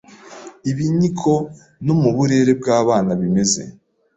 Ibi niko no mu burere bw’abana bimeze,